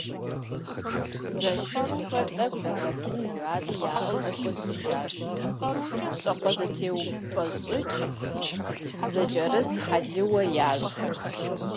Зэшыпхъухэр, тӏэкӏу зэхэсын мурадыр яӏэу зэхуэсыжащ. Щӏакхъуэзэтеупӏэщӏыкӏ, зэкӏэрыс, хьэлыуэ ящӏхэр.